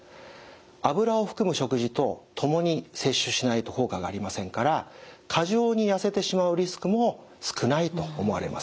脂を含む食事と共に摂取しないと効果がありませんから過剰にやせてしまうリスクも少ないと思われます。